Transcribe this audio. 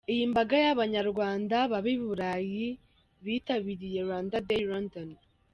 Iyi mbaga y'Abanyarwanda baba i Burayi bitabiriye Rwanda Day London.